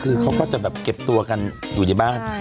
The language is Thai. คือเขาก็จะแบบเก็บตัวกันอยู่ในบ้าน